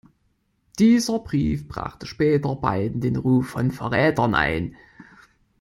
Dieser Brief brachte später beiden den Ruf von Verrätern ein.